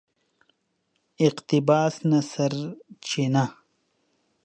اقتباس نه سرچینه